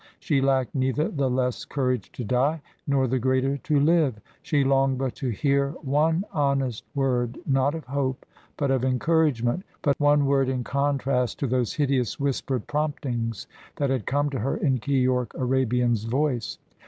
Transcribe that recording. She lacked neither the less courage to die, nor the greater to live. She longed but to hear one honest word, not of hope, but of encouragement, but one word in contrast to those hideous whispered promptings that had come to her in Keyork Arabian's voice.